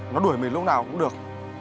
nó đuổi mình lúc nào cũng được